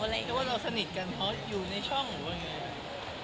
ถ้าว่าเราสนิทกันเพราะอยู่ในช่องหรือไร